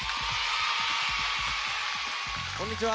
こんにちは。